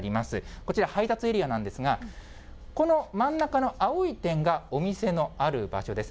こちら配達エリアなんですが、この真ん中の青い点がお店のある場所です。